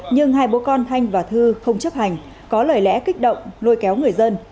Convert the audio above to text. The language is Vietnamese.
nhưng hai bố con thanh và thư không chấp hành có lời lẽ kích động lôi kéo người dân